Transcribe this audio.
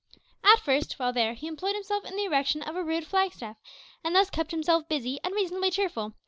At first, while there, he employed himself in the erection of a rude flag staff, and thus kept himself busy and reasonably cheerful.